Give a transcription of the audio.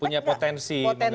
punya potensi mengganggu keamanan